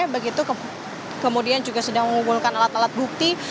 begitu kemudian juga sedang mengumpulkan alat alat bukti